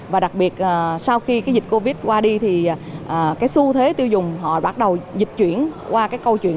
và đặc biệt sau khi dịch covid qua đi thì su thế tiêu dùng họ bắt đầu dịch chuyển qua câu chuyện